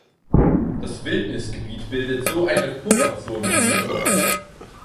Das Wildnisgebiet bildet so eine Pufferzone um den Urwald.